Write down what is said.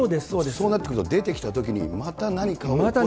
そうなってくると、出てきたときに、また何かを起こす可能性がある。